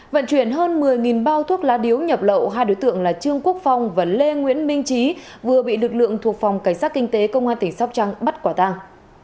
vận chuyển hơn một mươi bao thuốc lá điếu nhập lậu hai đối tượng là trương quốc phong và lê nguyễn minh trí vừa bị lực lượng thuộc phòng cảnh sát kinh tế công an tỉnh sóc trăng bắt quả tàng